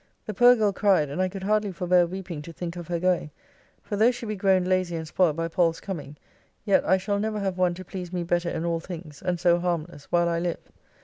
The poor girl cried, and I could hardly forbear weeping to think of her going, for though she be grown lazy and spoilt by Pall's coming, yet I shall never have one to please us better in all things, and so harmless, while I live.